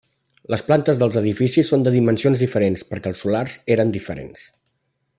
Les plantes dels edificis són de dimensions diferents perquè els solars eren diferents.